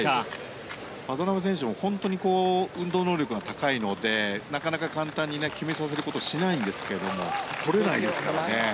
渡辺選手も本当に運動能力が高いのでなかなか簡単に決めさせることをしないんですけれどもとれないですからね。